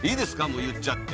もう言っちゃって。